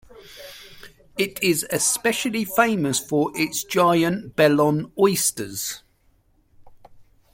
It is especially famous for its giant Belon oysters.